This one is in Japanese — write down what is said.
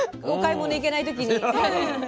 お買い物行けない時に。